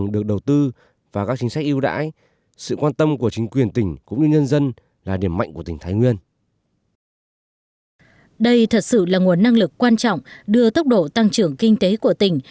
đây thật sự là nguồn năng lực quan trọng đưa tốc độ tăng trưởng kinh tế của tỉnh